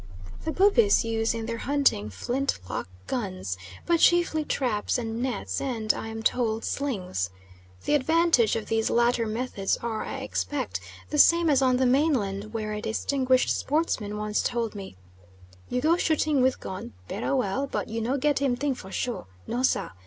The Bubis use in their hunting flint lock guns, but chiefly traps and nets, and, I am told, slings. The advantage of these latter methods are, I expect, the same as on the mainland, where a distinguished sportsman once told me: "You go shoot thing with gun. Berrah well but you no get him thing for sure. No, sah.